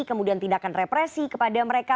kemudian tindakan represi kepada mereka